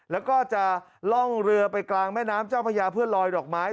แล้วก็จะล่องเรือไปกลางแม่น้ำเจ้าพญาเพื่อลอยดอกไม้